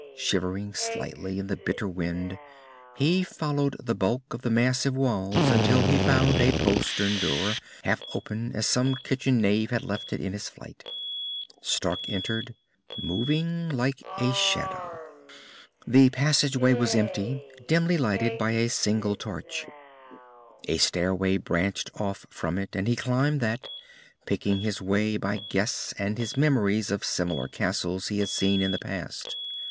Shivering slightly in the bitter wind, he followed the bulk of the massive walls until he found a postern door, half open as some kitchen knave had left it in his flight. Stark entered, moving like a shadow. The passageway was empty, dimly lighted by a single torch. A stairway branched off from it, and he climbed that, picking his way by guess and his memories of similar castles he had seen in the past.